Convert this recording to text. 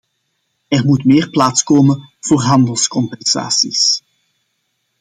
Er moet meer plaats komen voor handelscompensaties.